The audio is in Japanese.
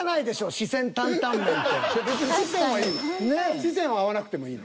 「四川」は合わなくてもいいの？